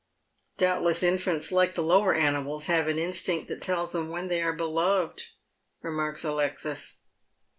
" Doubtless infants, Hke the lower animals, have an instinct that tells them when they are beloved," remarks Alexis.